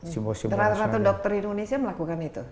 terat terat dokter indonesia melakukan itu